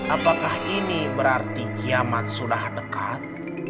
apakah ini berarti kiamat sudah dekat